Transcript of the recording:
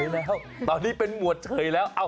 หมวดเฉยแล้วตอนนี้เป็นหมวดเฉยแล้ว